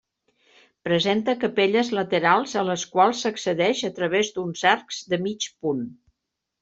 Presenta capelles laterals a les quals s'accedeix a través d'uns arcs de mig punt.